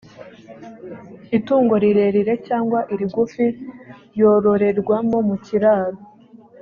itungo rirerire cyangwa irigufi yororerwa mu kiraro,